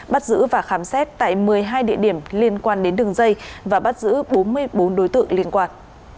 bắt giữ và khám xét tại một mươi hai địa điểm liên quan đến đường dây và bắt giữ bốn mươi bốn đối tượng liên quan